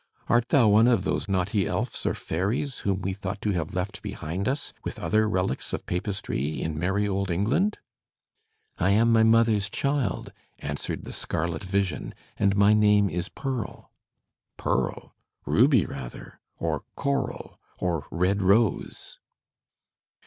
.,. Art thou one of those naughty elfs or fairies, whom we thought to have left behind us, with other relics of Papistry, in merry old England?' "*I am my mother's child,' answered the scarlet vision, *and my name is Pearl.' Pearl ?— Ruby, rather !— or Coral — or Red Rose!'"